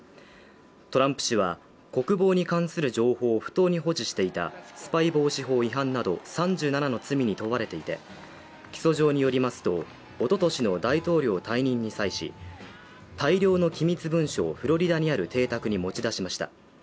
トランプ氏は、国防に関する情報を不当に放置していたスパイ防止法違反など３７の罪に問われていて、起訴状によりますと、一昨年の大統領退任に際し大量の機密文書をフロリダにある邸宅に持ち出しました。